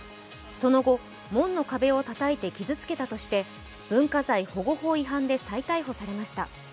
その後門の壁をたたいて傷つけたとして文化財保護法違反で再逮捕されました。